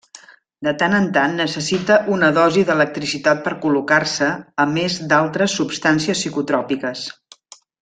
De tant en tant necessita una dosi d'electricitat per col·locar-se a més d'altres substàncies psicotròpiques.